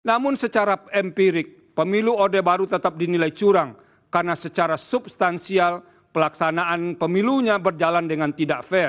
namun secara empirik pemilu odeh baru tetap dinilai curang karena secara substansial pelaksanaan pemilunya berjalan dengan tidak fair